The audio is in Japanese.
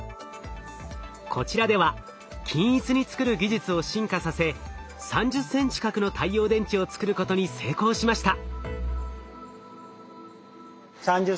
こちらでは均一に作る技術を進化させ３０センチ角の太陽電池を作ることに成功しました。